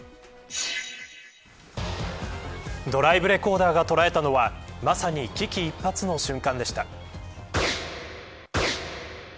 ドライブレコーダーが捉えたのはまさに危機一髪の瞬間でした。